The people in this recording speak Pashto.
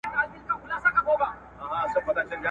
شمع یم جلوه یمه لمبه یمه سوځېږمه ,